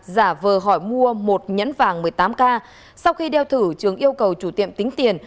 giả vờ hỏi mua một nhẫn vàng một mươi tám k sau khi đeo thử trường yêu cầu chủ tiệm tính tiền